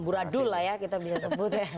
buradul lah ya kita bisa sebut ya